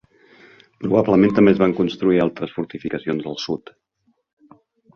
Probablement també es van construir altres fortificacions al sud.